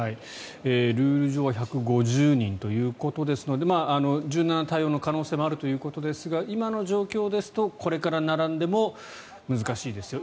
ルール上は１５０人ということですので柔軟な対応の可能性もあるということですが今の状況ですとこれから並んでも難しいですよ。